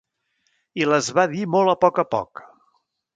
I les va dir molt a poc a poc.